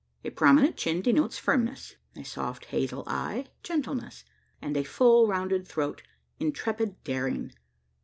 A prominent chin denotes firmness; a soft hazel eye, gentleness; and a full rounded throat, intrepid daring.